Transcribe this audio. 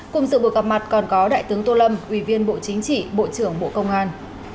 cùng dự buổi gặp mặt còn có đại tướng tô lâm ủy viên bộ chính trị bộ trưởng bộ công an